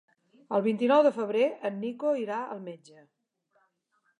El vint-i-nou de febrer en Nico irà al metge.